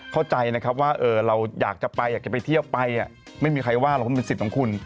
เข้าใจนะครับว่าเราอยากจะไปอยากจะไปเที่ยวไปไม่มีใครว่าหรอกเพราะมันเป็นสิทธิ์ของคุณ